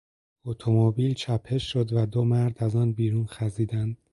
اتومبیل چپه شد و دو مرد از آن بیرون خزیدند.